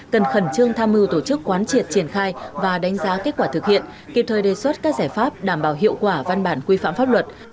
cần khẩn trương tham mưu tổ chức quán triệt triển khai và đánh giá kết quả thực hiện kịp thời đề xuất các giải pháp đảm bảo hiệu quả văn bản quy phạm pháp luật